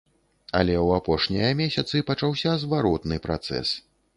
Але ў апошнія месяцы пачаўся зваротны працэс.